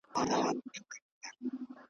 الحمدلله چي له اهل الاستقامت څخه يو.